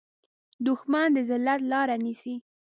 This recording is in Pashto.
دښمن د ذلت لاره نیسي